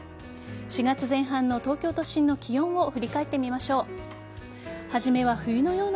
４月前半の東京都心の気温を振り返ってみましょう。